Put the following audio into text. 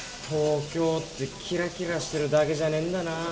東京ってきらきらしてるだけじゃねえんだな。